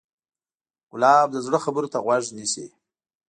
ګلاب د زړه خبرو ته غوږ نیسي.